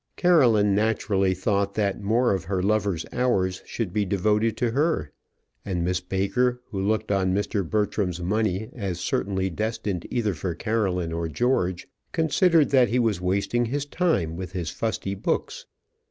Caroline naturally thought that more of her lover's hours should be devoted to her; and Miss Baker, who looked on Mr. Bertram's money as certainly destined either for Caroline or George, considered that he was wasting his time with his fusty books.